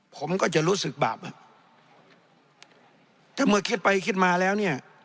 ผมก็จะรู้สึกบาปอ่ะถ้าเมื่อคิดไปคิดมาแล้วเนี่ย